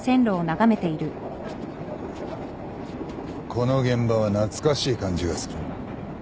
この現場は懐かしい感じがする。